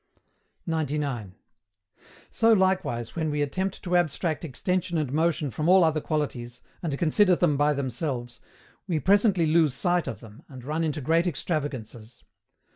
99. So likewise when we attempt to abstract extension and motion from all other qualities, and consider them by themselves, we presently lose sight of them, and run into great extravagances.